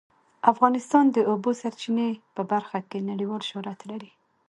افغانستان د د اوبو سرچینې په برخه کې نړیوال شهرت لري.